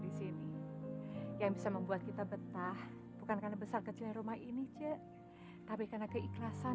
ini yang bisa membuat kita betah bukan karena besar kecilnya rumah ini ce tapi karena keikhlasan